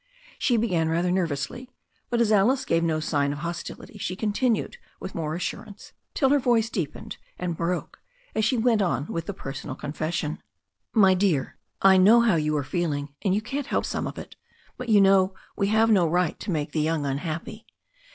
She began rather nervously, but as Alice gave no sign of hostility she continued with more assurance, till her voice deepened and broke as she went on with the personal confession. "My dear, I know how you are feeling, and you can't help some of it. But, you know, we have no right to make the young unhappy.